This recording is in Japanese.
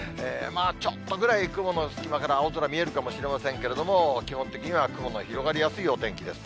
ちょっとぐらい雲の隙間から青空見えるかもしれませんけれども、基本的には雲の広がりやすいお天気です。